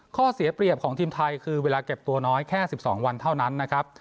ข้อเสียเปรียบของทีมไทยคือเวลาเก็บตัวน้อยแค่๑๒วันเท่านั้นนะครับ